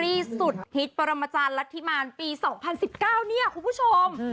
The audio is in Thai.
ที่สุดฮิตปรมาจารย์รัฐธิมารปี๒๐๑๙เนี่ยคุณผู้ชม